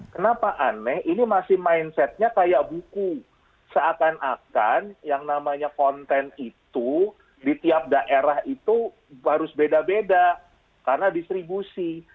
kenapa aneh ini masih mindsetnya kayak buku seakan akan yang namanya konten itu di tiap daerah itu harus beda beda karena distribusi